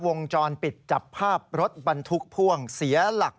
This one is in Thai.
วงจรปิดจับภาพรถบรรทุกพ่วงเสียหลัก